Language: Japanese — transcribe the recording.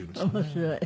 面白い。